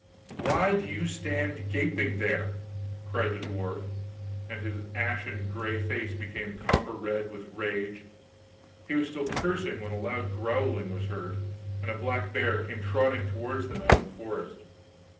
'Why do you stand gaping there?' cried the dwarf, and his ashen grey face became copper red with rage. He was still cursing when a loud growling was heard, and a black bear came trotting towards them out of the forest.